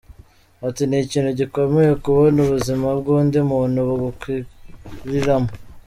Ati “Ni ikintu gikomeye kubona ubuzima bw’undi muntu bugukuriramo.